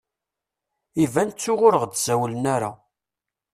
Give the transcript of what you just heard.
Iban ttuɣ ur ɣ-d-sawlen ara.